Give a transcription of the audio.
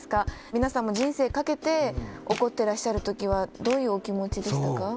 皆さんも人生かけて怒ってらっしゃる時はどういうお気持ちでしたか？